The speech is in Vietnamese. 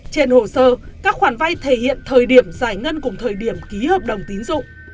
trên hồ sơ các khoản vay thể hiện thời điểm giải ngân cùng thời điểm ký hợp đồng tín dụng